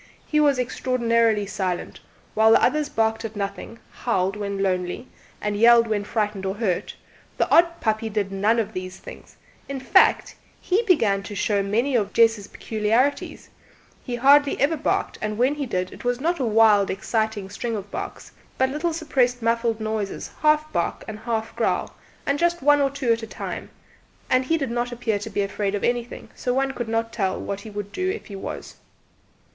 He was extraordinarily silent; while the others barked at nothing, howled when lonely, and yelled when frightened or hurt, the odd puppy did none of these things; in fact, he began to show many of Jess's peculiarities; he hardly ever barked, and when he did it was not a wild excited string of barks but little suppressed muffled noises, half bark and half growl, and just one or two at a time; and he did not appear to be afraid of anything, so one could not tell what he would do if he was.